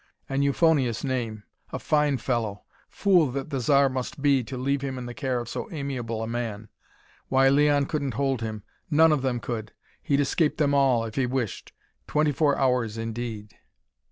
An euphonious name! A fine fellow! Fool that the Zar must be, to leave him in the care of so amiable a man. Why, Leon couldn't hold him! None of them could. He'd escape them all if he wished. Twenty four hours, indeed!